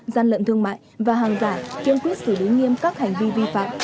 gian lận thương mại và hàng giả kiên quyết xử lý nghiêm các hành vi vi phạm